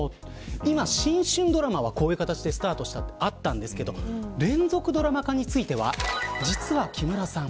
今、新春ドラマはこういう形でスタートしたとあったんですが連続ドラマ化については実は木村さん